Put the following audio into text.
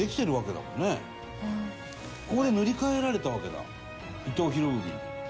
ここで塗り替えられたわけだ伊藤博文に。